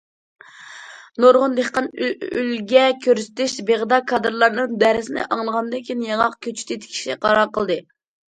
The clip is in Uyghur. نۇرغۇن دېھقان ئۈلگە كۆرسىتىش بېغىدا كادىرلارنىڭ دەرسىنى ئاڭلىغاندىن كېيىن ياڭاق كۆچىتى تىكىشنى قارار قىلدى.